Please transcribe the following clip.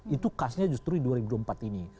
itu khasnya justru di dua ribu dua puluh empat ini